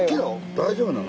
大丈夫なの？